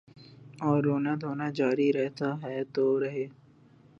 اوررونا دھونا جاری رہتاہے تو رہے۔